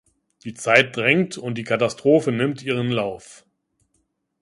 Die Zeit drängt und die Katastrophe nimmt ihren Lauf.